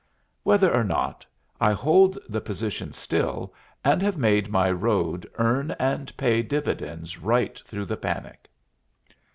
Whether or not, I hold the position still, and have made my road earn and pay dividends right through the panic.